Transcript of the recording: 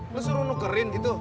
lu suruh nukerin gitu